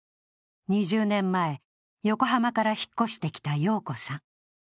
２０年前、横浜から引っ越してきた陽子さん。